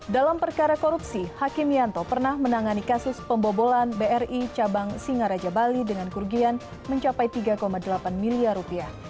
dalam perkara korupsi hakim yanto pernah menangani kasus pembobolan bri cabang singaraja bali dengan kerugian mencapai tiga delapan miliar rupiah